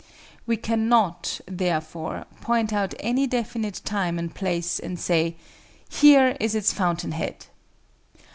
We cannot, therefore, point out any definite time and place and say, "Here is its fountain head."